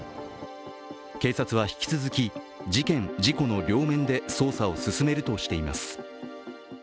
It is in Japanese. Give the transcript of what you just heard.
警察は引き続き、事件・事故の両面で捜査を進めるとしています。